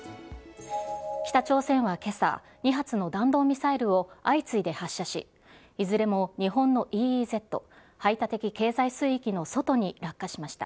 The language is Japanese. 北朝鮮はけさ、２発の弾道ミサイルを相次いで発射し、いずれも日本のＥＥＺ・排他的経済水域の外に落下しました。